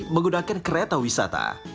menggunakan kereta wisata